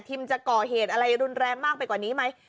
จะก่อเหตุอะไรรุนแรงมากไปกว่านี้ไหม